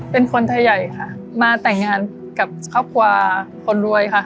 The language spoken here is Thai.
เป็นคนไทยใหญ่ค่ะมาแต่งงานกับครอบครัวคนรวยค่ะ